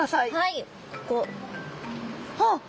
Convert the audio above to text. あっ！